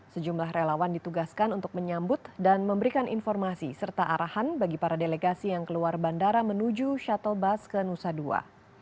sejumlah relawan ditugaskan untuk menyambut dan memberikan informasi serta arahan bagi para delegasi yang keluar bandara menuju shuttle bus ke nusa dua